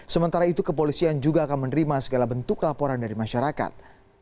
sementara itu kepolisian juga akan menerima segala bentuk laporan dari masyarakat